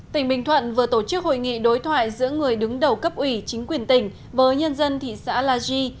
tỉnh bình thuận vừa tổ chức hội nghị đối thoại giữa người đứng đầu cấp ủy chính quyền tỉnh với nhân dân thị xã la di